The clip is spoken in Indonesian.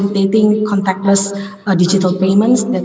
uang pengundi digital tanpa kontak